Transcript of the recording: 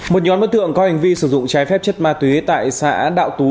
một nhóm đối tượng có hành vi sử dụng trái phép chất ma túy tại xã đạo tú